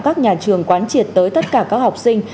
các nhà trường quán triệt tới tất cả các học sinh